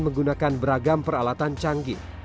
menggunakan beragam peralatan canggih